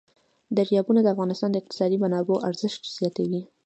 دریابونه د افغانستان د اقتصادي منابعو ارزښت زیاتوي.